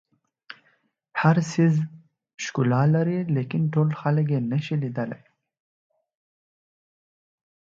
هر څیز ښکلا لري لیکن ټول خلک یې نه شي لیدلی.